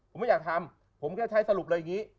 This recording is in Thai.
ผมไม่อยากทำผมแค่ใช้สรุปเลยอย่างนี้